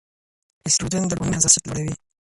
ایسټروجن د ډوپامین حساسیت لوړوي.